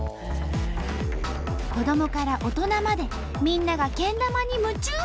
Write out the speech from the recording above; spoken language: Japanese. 子どもから大人までみんながけん玉に夢中！